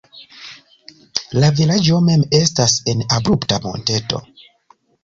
La vilaĝo mem estas en abrupta monteto.